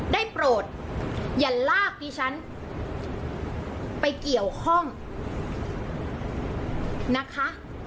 แต่คนข้างในประเทศเนี่ยจะซวยเอานะคะ